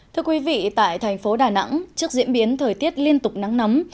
thưa quý vị tại thành phố đà nẵng trước diễn biến thời tiết liên tục nắng nóng